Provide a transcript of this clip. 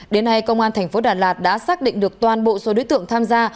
đến nay công an thành phố đà lạt đã xác định được toàn bộ số đối tượng tham gia